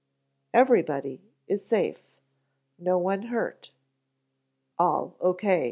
"Everybody is safe. No one hurt. All O.